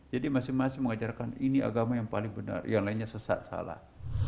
jadi masing masing mengajarkan ini agama yang paling benar yang lainnya sesat salah